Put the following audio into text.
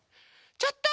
ちょっと！